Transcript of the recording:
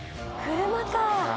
車か。